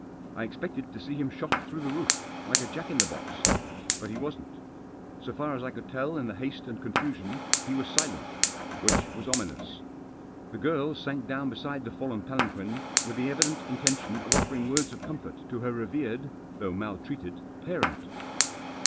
I expected to see him shot through the roof, like a jack in the box. But he wasn't. So far as I could tell in the haste and confusion he was silent Which was ominous. The girl sank down beside the fallen palanquin with the evident intention of offering words of comfort to her revered, though maltreated, parent.